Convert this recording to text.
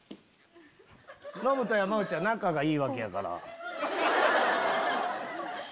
ノブと山内は仲がいいわけやから。